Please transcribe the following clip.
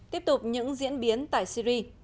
tiếp tục những diễn biến tại syri